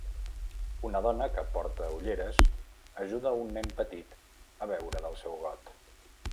Una dona que porta ulleres ajuda un nen petit a beure del seu got.